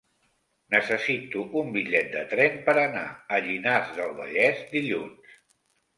Necessito un bitllet de tren per anar a Llinars del Vallès dilluns.